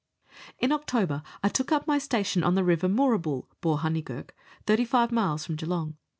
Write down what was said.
In October I took up my station on the River Moorabool (Borhoneyghurk), 35 miles from Geelong.